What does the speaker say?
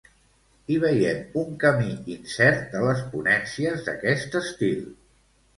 I veiem un camí incert a les ponències d'aquest estil.